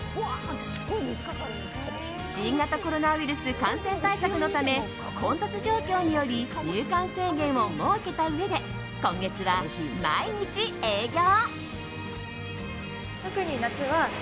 新型コロナウイルス感染対策のため混雑状況により入館制限を設けたうえで今月は毎日営業。